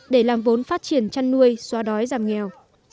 để làm vốn phát triển chăn nuôi xóa đói giảm nghèo